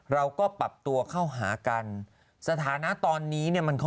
เราก็ปรับตัวเข้ามั้ย